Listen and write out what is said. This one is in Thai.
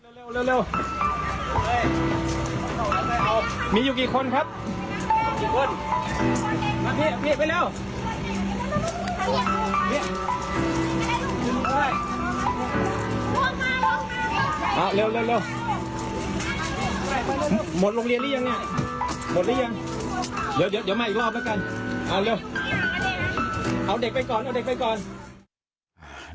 หมดโรงเรียนหรือยังหมดหรือยังเดี๋ยวมาอีกรอบแล้วกันเอาเด็กไปก่อนเอาเด็กไปก่อน